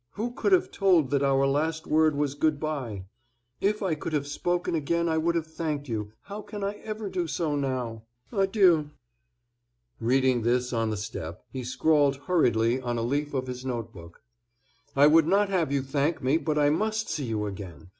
Who could have told that our last word was 'good by.' If I could have spoken again I would have thanked you. How can I ever do so now? Adieu." Reading this on the step, he scrawled hurriedly on a leaf of his note book: "I would not have you thank me, but I must see you again.